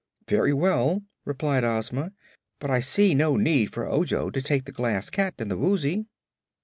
"Very well," replied Ozma. "But I see no need for Ojo to take the Glass Cat and the Woozy."